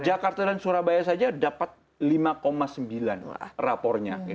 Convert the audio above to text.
jakarta dan surabaya saja dapat lima sembilan rapornya